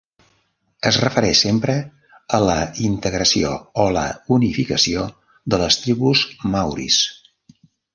Es refereix sempre a la integració o la unificació de les tribus maoris.